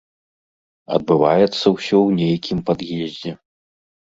Адбываецца ўсё ў нейкім пад'ездзе.